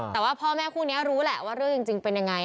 แต่ว่าพ่อแม่คู่นี้รู้แหละว่าเรื่องจริงเป็นยังไง